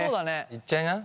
いっちゃいな。